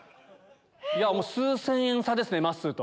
数千円差ですねまっすーと。